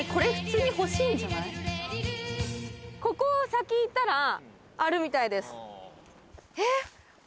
ここ先行ったらあるみたいです。